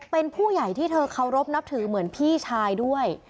เป็นผู้ใหญ่ที่เธอเคารพนับถือเหมือนพี่ชายด้วย